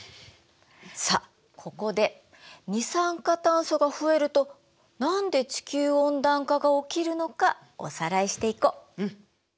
さあここで二酸化炭素が増えると何で地球温暖化が起きるのかおさらいしていこう。